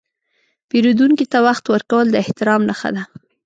پیرودونکي ته وخت ورکول د احترام نښه ده.